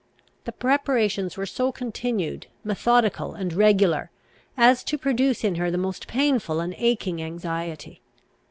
The preparations were so continued, methodical, and regular, as to produce in her the most painful and aching anxiety.